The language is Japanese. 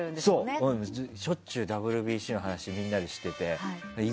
うん、しょっちゅうＷＢＣの話みんなでしていて。